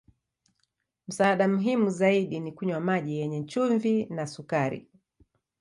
Msaada muhimu zaidi ni kunywa maji yenye chumvi na sukari.